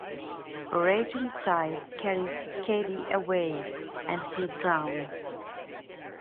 A raging tide carries Cady away, and he drowns.